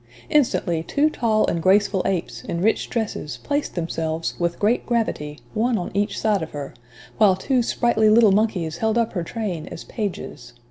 Instantly, two tall and graceful apes, in rich dresses, placed themselves, with great gravity, one on each side of her, while two sprightly little monkeys held up her train as pages.